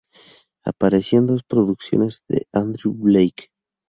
Apareció en dos producciones de Andrew Blake.